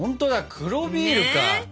黒ビールね。